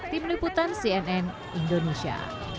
tim liputan cnn indonesia